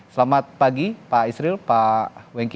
selamat pagi pak isril pak wengki